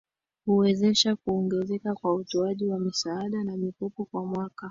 Kuwezesha kuongezeka kwa utoaji wa misaada na mikopo kwa mwaka